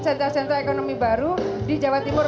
sentra sentra ekonomi baru di jawa timur